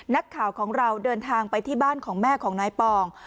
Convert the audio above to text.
นักข่าวของเราเดินทางไปที่บ้านของแม่ของนายปอง